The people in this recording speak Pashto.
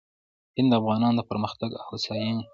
هند د افغانانو د پرمختګ او هوساینې